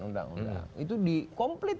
undang undang itu di komplit